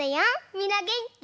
みんなげんき？